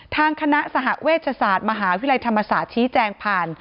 ทางคณะสหเวชศาสตร์มหาวิทยาลัยธรรมศาสตร์ชี้แจงผ่าน